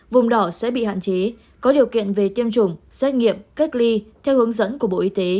vùng đỏ sẽ bị hạn chế có điều kiện về tiêm chủng xét nghiệm cách ly theo hướng dẫn của bộ y tế